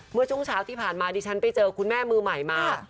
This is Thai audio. เมื่อช่วงเช้าที่ผ่านมาดิฉันไปเจอคุณแม่มือใหม่มา